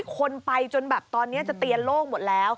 คนไปจนแบบตอนนี้จะเตียนโลกหมดแล้ว